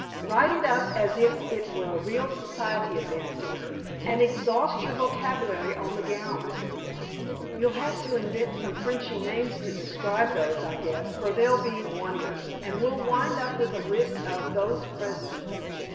"Write it up as if it were a real society event, dear, and exhaust your vocabulary on the gowns. You'll have to invent some Frenchy names to describe those, I guess, for they'll be wonders; and we'll wind up with a list of 'those present.'"